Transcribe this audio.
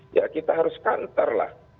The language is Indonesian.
ya kita harus kanterlah